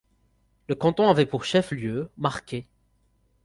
Le canton avait pour chef-lieu Marquay.